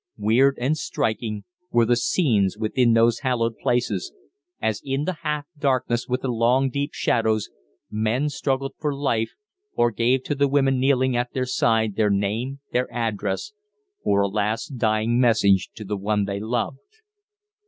Weird and striking were the scenes within those hallowed places, as, in the half darkness with the long, deep shadows, men struggled for life or gave to the women kneeling at their side their name, their address, or a last dying message to one they loved.